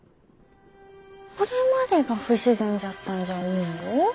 これまでが不自然じゃったんじゃ思うよ。